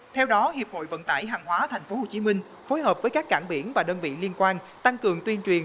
theo đó hiệp hội vận tải hàng hóa tp hcm phối hợp với các cảng biển và đơn vị liên quan tăng cường tuyên truyền